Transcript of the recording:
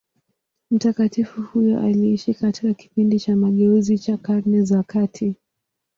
Mtakatifu huyo aliishi katika kipindi cha mageuzi cha Karne za kati.